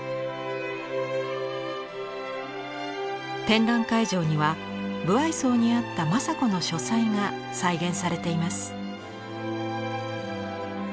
展覧会場には武相荘にあった正子の書斎が再現されています。